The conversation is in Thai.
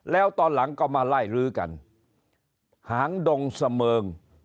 แล้วตอนหลังก็มาไล่ลื้อกันหางดงเสมิง